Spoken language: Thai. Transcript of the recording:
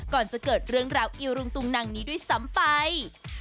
ก่อนจะเกิดเรื่องราวอิวรุงตุงนังนี้ด้วยซ้ำไป